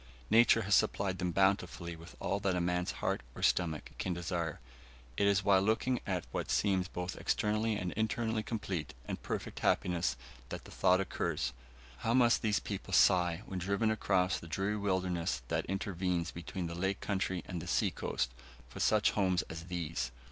Nature has supplied them bountifully with all that a man's heart or stomach can desire. It is while looking at what seems both externally and internally complete and perfect happiness that the thought occurs how must these people sigh, when driven across the dreary wilderness that intervenes between the lake country and the sea coast, for such homes as these!